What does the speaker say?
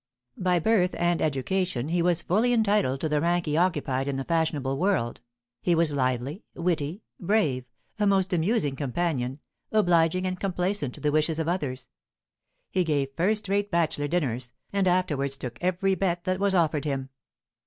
By birth and education he was fully entitled to the rank he occupied in the fashionable world; he was lively, witty, brave, a most amusing companion, obliging and complaisant to the wishes of others; he gave first rate bachelor dinners, and afterwards took every bet that was offered him.